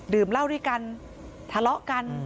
เหล้าด้วยกันทะเลาะกัน